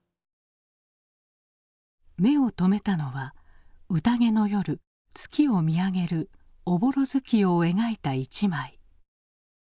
目を留めたのはうたげの夜月を見上げる朧月夜を描いた一枚。